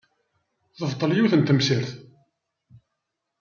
Tebṭel yiwet n temsirt.